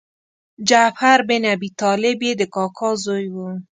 جعفر بن ابي طالب یې د کاکا زوی و.